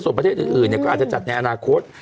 ส่วนประเทศอื่นก็อาจจะจัดในอนาคต